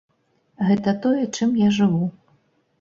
Гэта тое, чым я жыву.